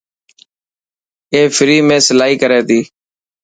اي فري ۾ سلائي ڪري تي؟